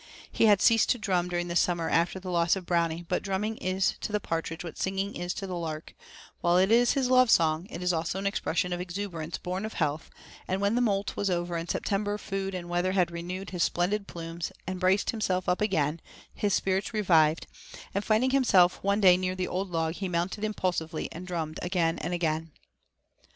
He had ceased to drum during the summer after the loss of Brownie, but drumming is to the partridge what singing is to the lark; while it is his lovesong, it is also an expression of exuberance born of health, and when the molt was over and September food and weather had renewed his splendid plumes and braced himself up again, his spirits revived, and finding himself one day near the old log he mounted impulsively, and drummed again and again.